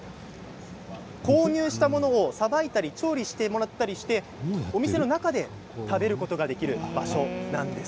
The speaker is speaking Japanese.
購入したものをさばいたり調理してもらったりしてお店の中で食べることができる場所なんです。